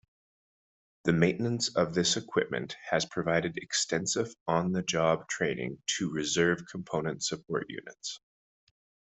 The maintenance of this equipment has provided extensive on-the-job training to reserve-component support units.